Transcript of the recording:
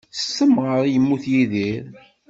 S temɣer i yemmut Yidir.